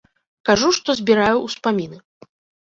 Кажу, што збіраю ўспаміны.